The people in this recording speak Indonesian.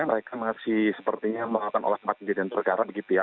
mereka masih sepertinya melakukan olahraga dan pergerakan